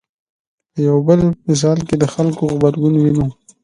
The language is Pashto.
په یو بل مثال کې د خلکو غبرګون وینو.